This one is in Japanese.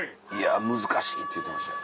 「難しい」って言うてましたよ。